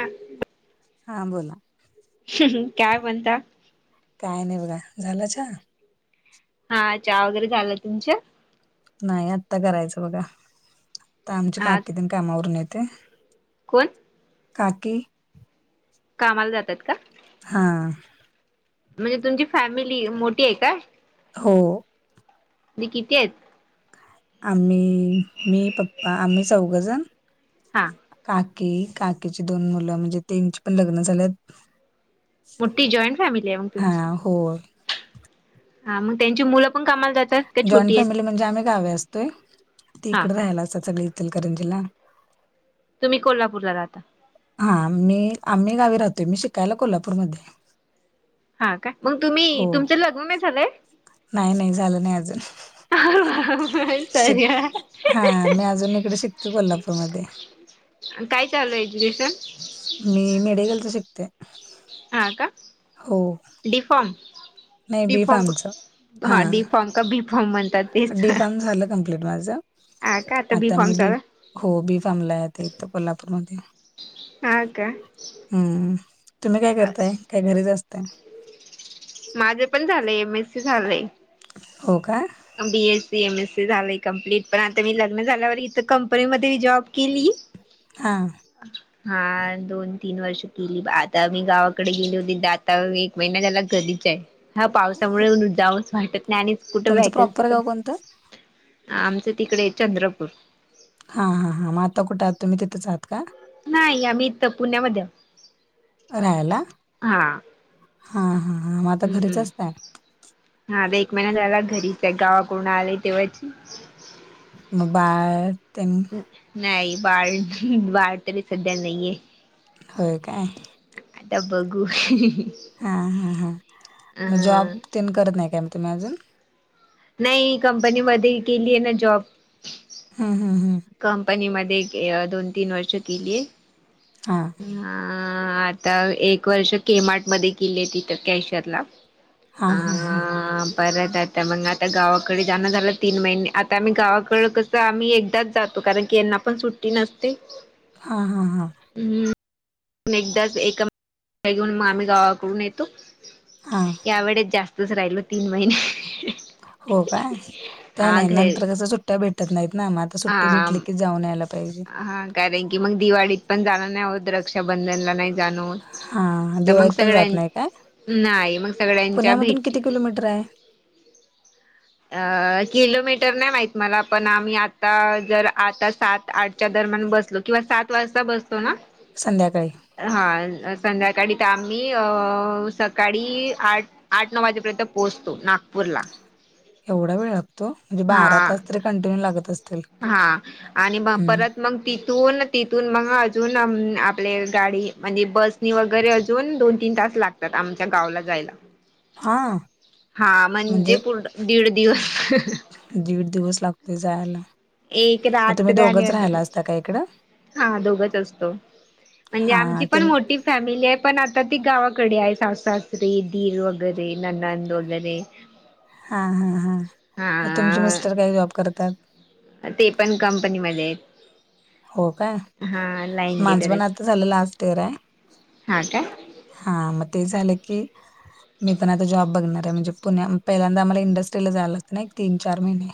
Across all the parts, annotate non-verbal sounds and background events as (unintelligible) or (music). हं हा बोला हं. काय म्हणता? काय नाही बघा. झालं चहा? हा चहा वगैरे झालं. तुमचं? नाही. आत्ता करायचं बघा. आता आमच्या हा काकी तेन कामावरून येते. कोण? काकी. कामाला जात्यात का? हां. म्हणजे, तुमची फॅमिली मोठी आहे काय? हो. तरी किती आहेत? आम्ही मी पप्पा आम्ही चौघ जण हां. काकी, काकीची दोन मुलं म्हणजे, त्यांची पण लग्न झाल्यात. मोठी जॉइंट फॅमिली आहे मग हा तुमची. होय. हां. मग त्यांची मुलं पण कामाला जात्या जॉईंट फॅमिली म्हणजे, आम्ही गावी असतोय. ती हा. इकडे राहायला असतात सगळे इचलकरंजीला. तुम्ही कोल्हापूरला राहता? हां. मी आम्ही गावी राहतोय. मी शिकायला कोल्हापूरमध्ये हाय. हां का? मग तुम्ही तुमचं लग्न नाही झालंय? नाही नाही झालं नाही अजून. शिक सॉरी हा. हां. मी अजून इकडे शिकतो कोल्हापूरमध्ये. (inaudible) आणि काय चालू आहे एज्युकेशन? मी मेडिकलच शिकते. हा का? हो. डी नाही. बी फार्म च. हां. डी फार्म का बी फार्म म्हणतात. तेच डी फार्म झालं कम्प्लीट माझं हां. का आता बी फार्म चालूय? हो. बी फार्मला आहे इथ कोल्हापूरमध्ये. हां का? हं. तुम्ही काय करताय? काय घरीच असताय? माझे पण झालंय एम एस सी झालंय. हो का? B AC, M S C झालय कंप्लीट. पण आता मी लग्न झाल्यावर इथ कंपनीमध्ये मी जॉब केली. हां. (inaudible) हां दोन तीन वर्ष केली. आता मी गावाकडे गेली होती. आता एक महिना झाला कधी च्या ह्या पावसामुळे जाऊनच वाटत नाही. आणि कुठं तुमचं व्हायकन्सी प्रॉपर पण गाव कोणतं आमचं तिकडे चंद्रपूर. हां हां हां. मग आता कुठ आहात तुम्ही? तिथेच आहात का? नाही. आम्ही इथ पुण्यामध्ये आहोत. हां. हां हां हा. मग, आता घरीच असताय? हां आता एक महिना झाला घरीच आहे. गावाकडून आले तेव्हाची मगं, बाळ तेन नाही बाळ बाळ तरी सध्या नाहीये. होय काय. आता बघू. हा हा हा. अ मग जॉब तेन करत नाही काय मग तुम्ही अजून? नाही कंपनी मध्ये केली आहे ना जॉब. हा हम हम. कंपनी मध्ये दोन तीन वर्ष केलीय हां. हा आता एक वर्ष केमार्ट मध्ये केली तिथ कॅशर ला. हा अ..... हा हा परत आता मग आता गावाकडे जाणं झालं तीन महिने आता आम्ही गावाकड कसं आम्ही एकदा च जातो, कारण की यांना पण सुट्टी नसते हा हा हा. हम्म एकदाच एका घेऊन मग आम्ही गावाकडून येतो- हा. या वेळेस जास्तच राहिलो तीन महिने. हो काय त्या हा नाही घ नंतर कस सुट्ट्या भेट भेटत नाही ना मग आता सुट्टी हा भेटली की जाऊन यायला पाहिजे. हा कारण की मग दिवाळीत पण जाण नाही होत रक्षाबंधनला नाही जाणं होत हा तर मग दिवाळीत पण जात सगळ्यां नाही काय नाही मग सगळ्यांच्या भेटी ड्राय अ किलोमीटर नाही माहित मला पण आम्ही आता जर आता सात आठच्या दरम्यान बसलो किंवा सात वाजता बसतो ना संध्याकाळी? हा. संध्याकाळी तर आम्ही अ सकाळी आठ आठ नऊ वाजेपर्यंत पोहोचतो नागपूरला. एवढा वेळ लागतो, म्हणजे बारा हा तास तरी कंटिन्यू लागत असतील हा आणि मग हम्म. परत मग तिथून तिथून मग अजून आपले गाडी म्हणजे बसनी वगैरे अजून दोन तीन तास लाग तात आमच्या गावला जायला. (inaudible) हा म्हणजे पुढ दीड दिवस. दीड दिवस लागतोय जायला. एक रात्र आणि (unintelligible) काय इकडं? हा दोघच असतो, म्हणजे हा आमची ते पण मोठी फॅमिली आहे पण आता ती गावाकडे आहे सास, सासरे दीर वैगेरे ननंद वैगेरे हा हा हा. मग तुमचे हा मिस्टर काय जॉब करतात? ते पण कंपनीमध्ये आहेत. हो काय हा लाईन माझं लिडर पण आहेत आता झालं लास्ट इयर आहे. हा काय हा मग ते झालं की मी पण आता जॉब बघणार आहे, म्हणजे पु पहिल्यांदा आम्हाला इंडस्ट्रीला जायला लागतंयनी एक तीन चार महिने.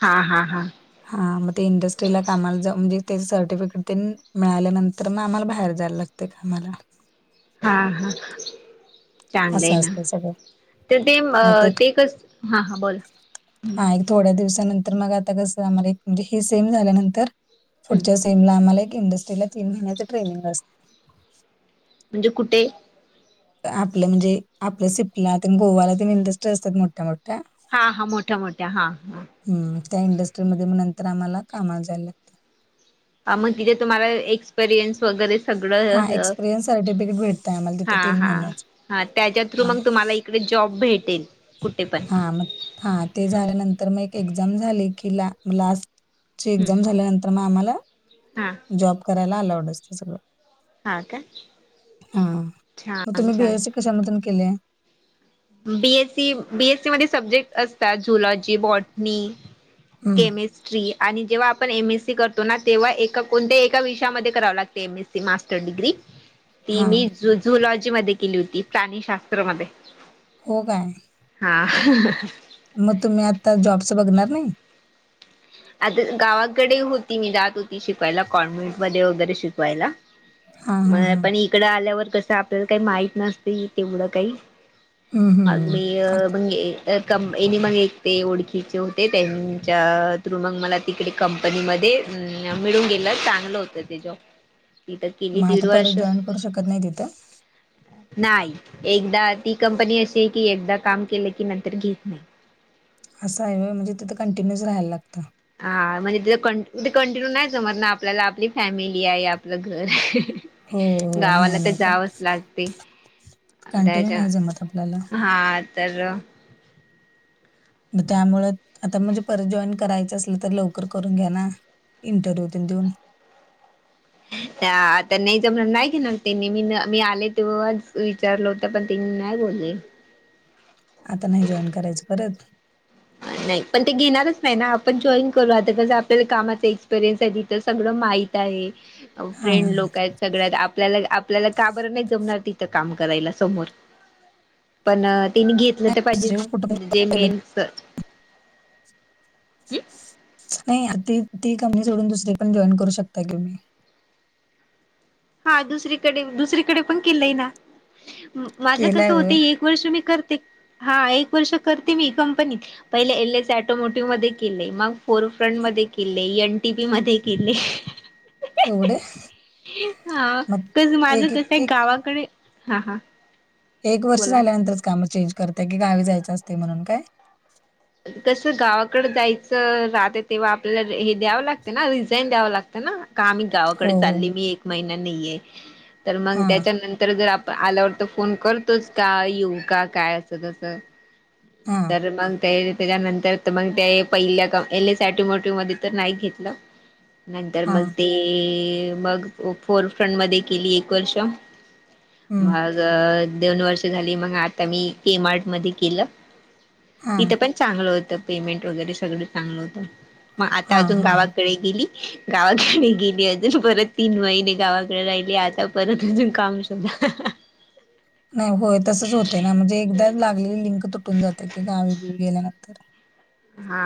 हा हा हां. हा. मग ते इंडस्ट्रीला कामाला जा म्हणजे त्याची सर्टिफिकेट तेन मिळाल्यानंतर मग आम्हाला बाहेर जायला लागतय म्हण. हां हां चांगलं आहे असं नां असतं सगळं तरं ते ते कसं हां हां बोलां थोड्यां दिवसांनंतर मंग आंता कसं आम्हांला म्हणजे हे सेम झाल्यानंतर हम्म पुढं ते आम्हाला एक इंडस्ट्रीला तीनं महिन्यांची ट्रेनिंग असते म्हणजे कुंठे आपलं म्हणजे आपलं सिपला गोवांला ते मिलदस्ट असतांत मोठ्यां मोठ्यां हां हां मोठ्या मोठ्या हां हां हम्मं त्यां इंडस्ट्रीमध्यें नंतर आम्हांला कामांला जांयला लागतं मंग तिथे तुम्हांला एक्सपिरियन्स वगैरें हा सगळं एक्सपिरियन्स सर्टिफिकेट भेटतंय आम्हाला तिथं हां तीन हां महिन्याचं हां त्यांच्या थ्रूं हा मंग तुम्हांला त्यां नां जॉब भेटेल कुंठे पंण हां मंग हां ते झाल्यानंतर मंग एक एक्झांम झाली की लां लांस्ट ची एक्झांम झाल्यानंतर मंग आम्हांला हां जॉब करांयला अलांवड असतं सगळं हा का हां मंग छान तुम्हीं छान बीएससी कशानं मधूंन केलेतं बीएससी बीएससी मध्यें सब्जेक्ट असतांत झुलॉजी बॉटनी हं, केमिस्ट ट्रीरी आणि जेव्हां आपणं एम एस सी करतो नां तेव्हां एकां कोणत्यां एकां विषयांमध्यें करावं लागतं M S C master degree (unintelligible) ती मी झुलॉजी मध्यें केली होती प्राणीशास्त्रमध्ये हो कायं हां हं हं मंग तुम्हीं आंता जॉबच बघणांर नाहीं आंता गावांकडे होती मी दांत होती शिकवांयला कॉन्व्हेंट मध्यें वगैरें शिकवांयला हां, हां, मलां हां. पणं इकडं आल्यांवर कसं आपल्यांला कांहीं माहित नसते तेवढं कांहीं हं, हं. देऊन आता बाकी मं कमं यांनीने मंग एक ते ओळखीचे होते त्यांच्या मंग मलां तिकडे कंपनी मं मिळूंन नं गेलं चांगलं होतं ते ज मी तरं केली मग दीड आता वर्ष परत जॉइन करू शकत नाही तिथं? नाहीं एकदां ती कंपनी अशी आहे की एकदां कायं केलं की नंतर घेतं नाऊही असं आहे म्हणंजेिथं कंटिन्यूसरहायलां लातं हां म्हणजे तिथं कं कंटिन्यू नाहीं समजं नां आपल्यांला आपली फॅमिली आहे आपलं घरं आहे हो, हो. गावांला नाही, तरं नाही. कंट जावंच लागते कंटिन्यू त्यांच्या नाही जमत आपल्याला. हां तरं मंग त्यामुळें आंता म्हणजे परंत जॉईन करायचं असलं तरर लवकरं करूंन घ्या ना इंटरव्यूं दिनऊ आंता नाहीं जमं नाहीं के ना त्यांनी मी मी आले तेंव्हा विचारल हो पणं ति नाहीं बोलली आंता नाहीं जॉईन करायचं परंत नाहीं पणं ते घेणांरचं नाहीं नां आपणं आपल्या जॉईन करूं आंता कसं आपल्यांला कामाचं एक्सपिरियनस आहे तिथं सगळं माहित हा फ्रेंड लोकं आहेतं सगळ्यांत आपल्यांला आपल्यांला काबर नाहीं जमणांर तिथं कामं करारायला समोर पणं तिने घेतं ते पाहिजे दुसरे कुठं जे केलंच मेन तोटंस नाहीं ते ती कंपनी सोडूंन दुसरी पणं कंपनी जॉईन करूं शकंता कुम्ही हा दुसरीकडे दुसरीकडे पण केलंय ना माझं केलाय कसं होत होय एक वर्ष मी करते हा एक वर्ष करते मी कंपनीत पहिले एल एस ऑटोमोटिव्ह मध्ये केलेय मग फोरफ्रंट मध्ये केले एनटीपी मध्ये केले. एवढे हा मग कस माझ एक एक कसये एक गावाकडे हा हा एक वर्ष बोला झाल्यानंतरच काम चेंज करताय की गावी जायचं असते म्हणून काय कसं गावाकड जायचं राहत, तेव्हा आपल्याला हे द्यावं लागत ना रिझाईन द्यावं लागत. ना का आम्ही हो गावाकडे हो चालली मी एक महिना नाहीेये तर मग हा त्याच्यानंतर जर आल्यावर तर फोन करतोच का येऊ का काय असं तसं हा तर मग ते त्याच्यानंतर मग ते पहिल्या एल एस ऑटोमोटिव्ह मध्ये तर नाही घेतलं. (inaudible) नंतर हा मग ते मग फोरफ्रंट मध्ये केली एक वर्ष हम्म मग दोन वर्ष झाली मग आता मी के मार्ट मध्ये केलं. हा तिथं पण चांगलं होतं पेमेंट वगैरे सगळं चांगलं होतं मग आता हा अजून हा हा गावाकडे गेली, गावाकडे गेली अजून परत तीन महिने गावाकडे राहिले आता परत अजून काम (inaudible) (inaudible) हा होय तसच होते ना म्हणजे एकदा लागलेली लिंक तुटून जाते की गावी बिवी गेल्यानंतर हा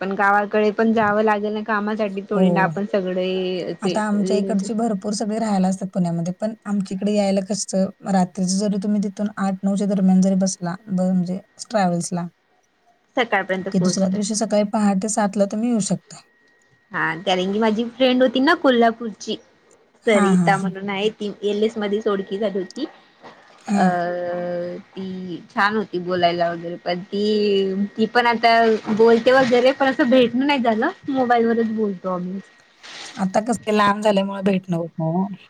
पण गावाकडे पण जावं लागेल ना कामासाठी थोडी ना हो आपण सगळे असे आता आमच्या रिलेटिव इकडची भरपूर पोर सगळे राहायला असतात पुण्यामध्ये पण आमच्या इकडे यायला कसं रात्रीच जरी तुम्ही तिथून आठ नऊ च्या दरम्यान जरी बसला म्हणजे ट्रॅव्हल्सला सकाळपर्यंत कि दुसऱ्या पोहोचतोय दिवशी सकाळी पहाटे सातला तुम्ही येऊ शकता. हा कारण की माझी फ्रेंड होती ना कोल्हापूरची हा हा सरिता हा म्हणून आहेत. ती एल एस मध्ये झाली होती अ हा ती छान होती बोलायला वगैरे पण ती ती पण आता बोलती वगैरे पण असं भेटण नाही झालं मोबाईल वरच बोलतो आम्ही आता कस लांब झाल्यामुळे भेटण होत नाही ना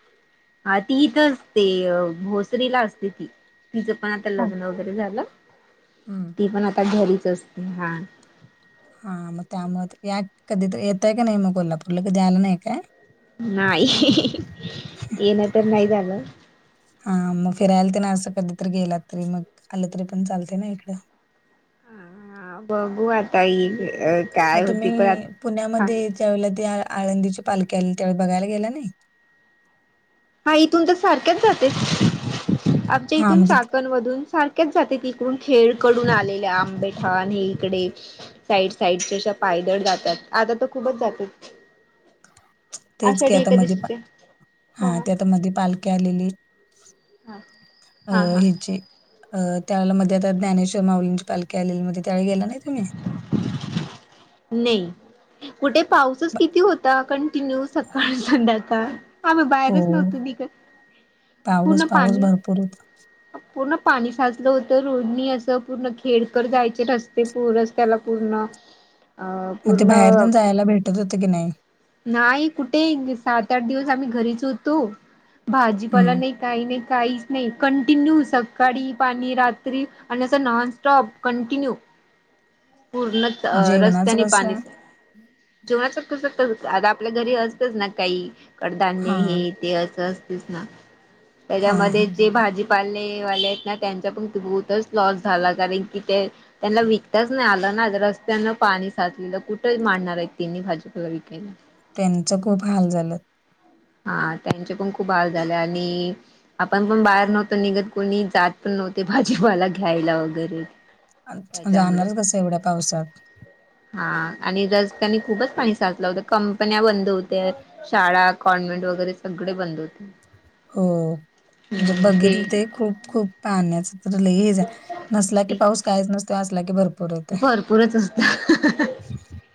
हा ती इथं असते भोसरीला असते ती तिचं पण आता ना. हा लग्न वगैरे झालं हम्म. ती पण आता घरीच असते हा हा मग त्यामुळ या कधी येतय का नाही मग कोल्हापूरला कधी आला नाही काय नाही येण तर नाही झालं. हा मग फिरायला तेन असं कधीतरी गेलात तरी मग आलं तरी पण चालत ना इकडं हा बघू आता येईल काय होती पण आ त्यावेळेला ते आळंदीची पालकी आली त्यावेळी बघायला गेला नाही. हा इथून तर सारख्याच जाते आमच्या हा इथून म्हणजे चाकणमधून सारख च जाते तिकडून खेड कडून आलेल्या आंबेठान हे इकडे साईड साईडच्या अशा पायदळ जातात आता तर खूपच जात्यात. तेच की आषाढी आता मध्ये पा- एकादशीच्या हा ते आत्ता मधी पालखी आलेली हा अ हा हा ह्याची अ त्यावेळेला मध्ये आता ज्ञानेश्वर माऊलींची पालखी आलेली मध्ये त्यावेळी गेला नाही तुम्ही नाही कुठे पाऊसच किती होता कंटिन्यू सकाळ संध्याकाळ आम्ही हो बाहेरच नव्हतो निघत पाऊस पूर्ण पाऊस पाणी भरपूर होता पूर्ण पाणी साचलं होतं रोडनी असं पूर्ण खेड कड जायचे रस्ते पूरस त्याला पूर्ण अ मग ते पूर्ण बाहेर पण जायला भेटत होत की नाही. नाही कुठे सात- आठ दिवस आम्ही घरीच होतो. भाजीपाला हम्म नाही काही नाही काहीच नाही, कंटिन्यू सकाळी पाणी रात्री आणि असं नॉनस्टॉप कंटिन्यू ह (inaudible) पूर्णच रस्ते कसं जेवणात (unintelligible) आता आपल्या घरी असतच ना काही कडधान्य हा हे ते असं असतेस ना, हा हा त्याच्यामध्ये जे भाजी वाले आहेत ना त्यांचा पण खूपच लॉस झाला. कारण कि ते त्यांना विकताच नाही आलं ना, रस्त्यान पाणी साचले कुठे मांडणार आहेत त्यांनी भाजीला विकायला. त्यांचं खूप हाल झालं. हा त्यांचे पण खूप हाल झाले आणि आपण पण बाहेर नव्हतो निघत कोणी, जात पण नव्हते भाजीपाला घ्यायला वगैरे त्याच्यामुळे जाणारच कसं एवढ्या पावसात? हा आणि रस्त्याने खूपच पाणी साचलं होतं. कंपन्या बंद होत्या शाळा कॉन्व्हेंट वगैरे सगळे बंद होते. हो, म्हणजे बघितले ते खूप खूप पाण्याचा तर लग जा, नसला की पाऊस काहीच नसतो असला की भरपूर भरपूरच असत. हम् (unintelligible)